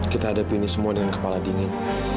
kita hadapi ini semua dengan kepala dingin